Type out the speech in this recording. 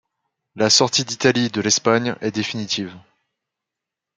La sortie d'Italie de l'Espagne est définitive.